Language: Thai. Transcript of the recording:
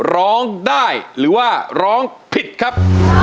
ร้องได้หรือว่าร้องผิดครับ